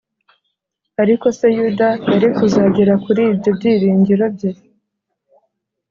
ariko se yuda yari kuzagera kuri ibyo byiringiro bye?